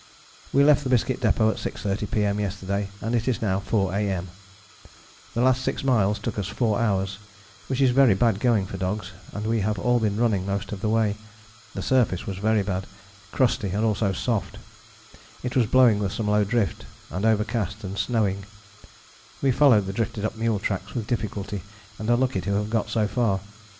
We left the Biscuit Depôt at 6.30 P.M. yesterday, and it is now 4 A.M. The last six miles took us four hours, which is very bad going for dogs, and we have all been running most of the way. The surface was very bad, crusty and also soft: it was blowing with some low drift, and overcast and snowing. We followed the drifted up mule tracks with difficulty and are lucky to have got so far.